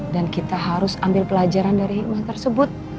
dan kita harus ambil pelajaran dari hikmah tersebut